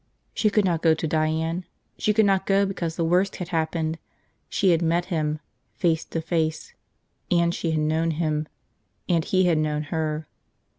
She could not go to Diane. She could not go because the worst had happened. She had met him. Face to face. And she had known him. And he had known her.